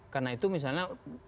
karena itu misalnya